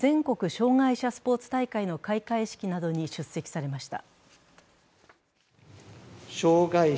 障害者スポーツ大会の開会式などに出席されました。